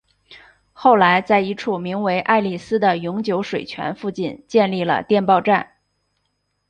后来在一处名为爱丽斯的永久水泉附近建立了电报站。